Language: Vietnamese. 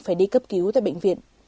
phải đi cấp cứu tại bệnh viện